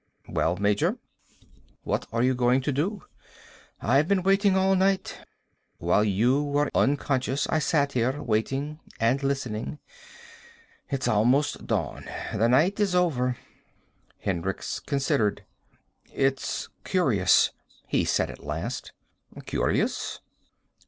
Well, Major? What are you going to do? I've been waiting all night. While you were unconscious I sat here, waiting and listening. It's almost dawn. The night is almost over." Hendricks considered. "It's curious," he said at last. "Curious?"